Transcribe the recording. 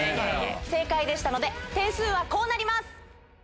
正解でしたので、点数はこうなります。